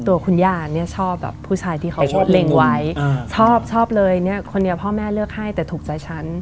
ตัวคุณย่าเนี่ยชอบแบบผู้ชายที่เขาชอบเล็งไว้ชอบชอบเลยเนี่ยคนเดียวพ่อแม่เลือกให้แต่ถูกใจฉัน